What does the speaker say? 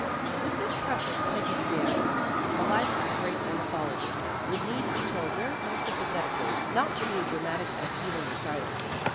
With this preface Peggy began. The life of the great ornithologist would need to be told very unsympathetically, not to be a dramatic and appealing recital.